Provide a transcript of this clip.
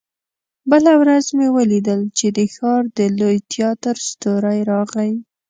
بله ورځ مې ولیدل چې د ښار د لوی تياتر ستورى راغی.